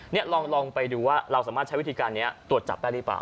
นี่ลองไปดูว่าเราสามารถใช้วิธีการนี้ตรวจจับได้หรือเปล่า